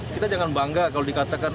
kita jangan bangga kalau dikatakan